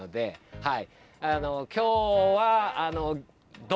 はい。